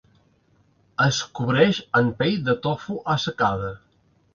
Es cobreix en pell de tofu assecada.